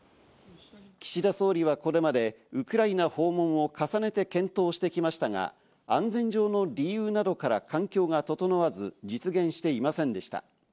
岸田総理はこれまでウクライナを訪問を重ねて検討してきましたが、安全上の理由などから環境が整わず、実現していませんでした。